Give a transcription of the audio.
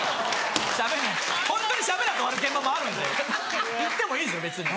ホントにしゃべらず終わる現場もあるんで行ってもいいんです別に。